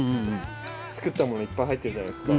作ったものいっぱい入ってるじゃないですか。